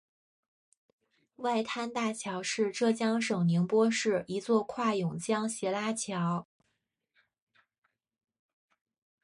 外滩大桥是浙江省宁波市一座跨甬江斜拉桥。